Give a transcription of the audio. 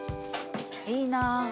いいな。